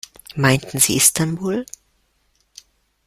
Meinten Sie Istanbul?